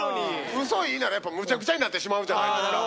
嘘いいならむちゃくちゃになってしまうじゃないですか。